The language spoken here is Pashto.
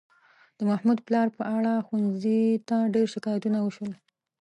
د محمود پلار په اړه ښوونځي ته ډېر شکایتونه وشول.